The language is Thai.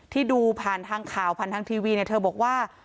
ที่ดูผ่านทางข่าวผ่านทางทีวีเนี่ยเธอบอกว่า